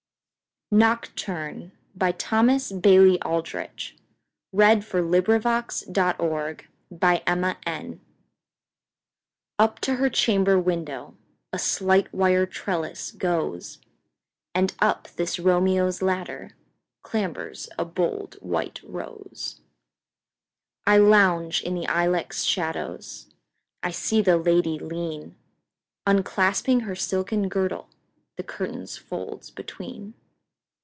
h 1836–1907 Thomas Bailey Aldrich 193 Nocturne UP to her chamber windowA slight wire trellis goes, And up this Romeo's ladderClambers a bold white rose.I lounge in the ilex shadows,I see the lady lean, Unclasping her silken girdle, The curtain's folds between.